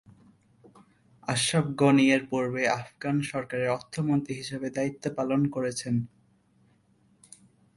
আশরাফ গণি এর পূর্বে আফগান সরকারের অর্থমন্ত্রী হিসেবে দায়িত্ব পালন করেছেন।